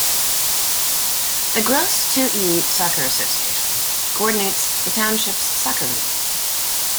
The Grosse Ile Soccer Association coordinates the township's soccer league.